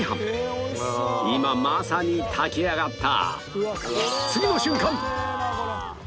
今まさに炊き上がった